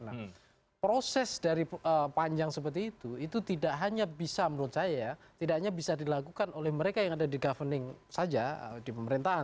nah proses dari panjang seperti itu itu tidak hanya bisa menurut saya tidak hanya bisa dilakukan oleh mereka yang ada di governing saja di pemerintahan